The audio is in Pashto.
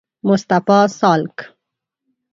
مصطفی سالک